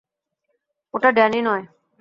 ওটা ড্যানি নয়।